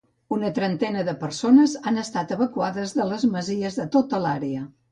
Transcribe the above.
Una trentena de persones han estat evacuades de les masies de tota l’àrea.